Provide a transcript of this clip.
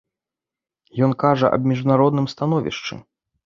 Ён кажа аб міжнародным становішчы.